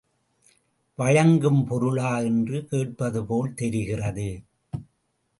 வழங்கும் பொருளா என்று கேட்பதுபோல் தெரிகிறது.